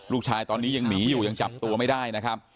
ลูกชายตอนนี้ยังหนีอยู่ยังจับตัวไม่ได้นะครับ